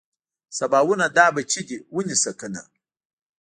سباوونه دا بچي دې ونيسه کنه.